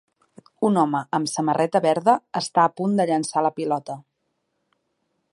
Un home amb samarreta verda està a punt de llançar la pilota.